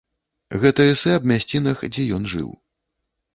Гэта эсэ аб мясцінах, дзе ён жыў.